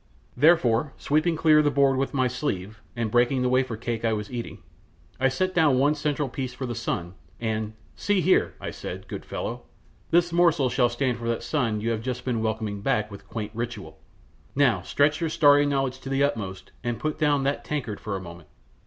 Therefore, sweeping clear the board with my sleeve, and breaking the wafer cake I was eating, I set down one central piece for the sun, and, "See here!" I said, "good fellow! This morsel shall stand for that sun you have just been welcoming back with quaint ritual. Now stretch your starry knowledge to the utmost, and put down that tankard for a moment.